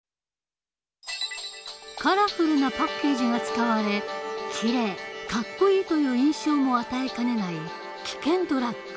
カラフルなパッケージが使われ「きれい」「かっこいい」という印象も与えかねない